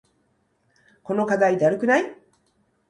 この課題だるくない？